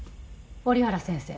折原先生。